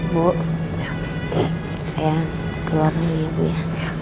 bu saya keluar dulu ya bu ya